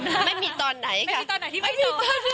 ไม่มีตอนไหนค่ะมีตอนไหนที่ไม่ถึง